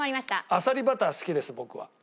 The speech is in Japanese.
アサリバター好きです僕は。